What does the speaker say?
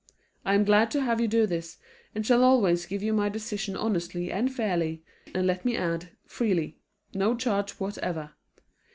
I am glad to have you do this, and shall always give you my decision honestly and fairly, and let me add, freely no charge whatever.